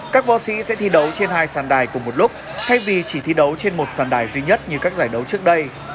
các võ sĩ sẽ thi đấu trên hai sàn đài cùng một lúc thay vì chỉ thi đấu trên một sàn đài duy nhất như các giải đấu trước đây